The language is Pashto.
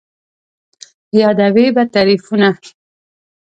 یادوې به تعريفونه